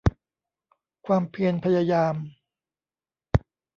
ความเพียรพยายาม